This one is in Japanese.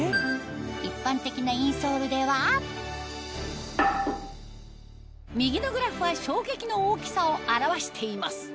一般的なインソールでは右のグラフは衝撃の大きさを表しています